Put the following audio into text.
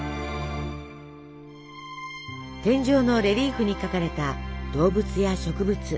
天井のレリーフに描かれた動物や植物。